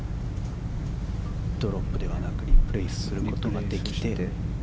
ドロップではなくリプレースすることができて。